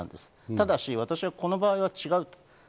ただし、私はこの場合は違うと。